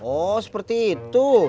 oh seperti itu